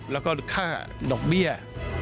แล้วก็ค่าดอกเบี้ย